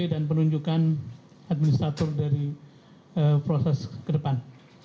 dan penunjukan administratur dari proses ke depan